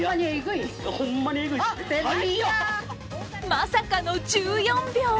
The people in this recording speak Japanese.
まさかの１４秒。